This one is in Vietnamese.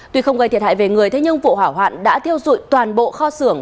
tuy không gây thiệt hại về người thế nhưng vụ hỏa hoạn đã theo dụi toàn bộ kho sưởng